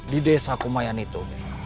di desa kumayan itu